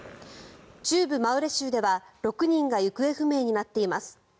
中部マウレ州では６人が行方不明になっています。